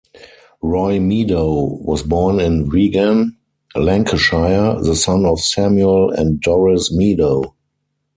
Roy Meadow was born in Wigan, Lancashire, the son of Samuel and Doris Meadow.